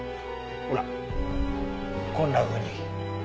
ほらこんなふうに。